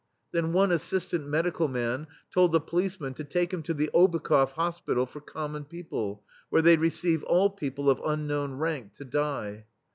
Then one as sistant medical man told the policeman to take him to the ObukhofFhospital for common people, where they receive all people of unknown rank to die.